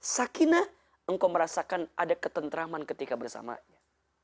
sakina engkau merasakan ada ketentraman ketika bersamanya